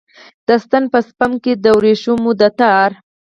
د ستن په سپم کې د وریښمو د تار